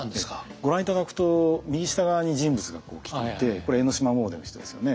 ご覧頂くと右下側に人物が来ててこれ江の島詣での人ですよね。